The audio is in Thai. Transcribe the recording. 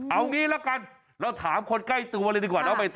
เอางี้ละกันเราถามคนใกล้ตัวเลยดีกว่าน้องใบตอ